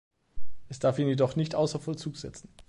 Es darf ihn jedoch nicht außer Vollzug setzen.